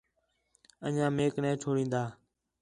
انڄیاں میک نے چُھڑین٘دا